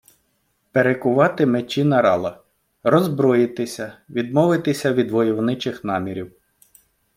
Перекувати мечі на рала - роззброїтися, відмовитися від войовничих намірів